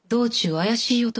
怪しい男？